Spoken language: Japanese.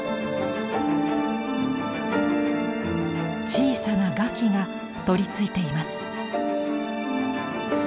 小さな餓鬼が取りついています。